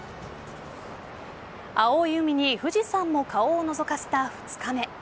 青い海に富士山も顔をのぞかせた２日目。